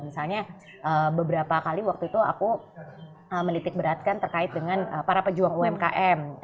misalnya beberapa kali waktu itu aku menitik beratkan terkait dengan para pejuang umkm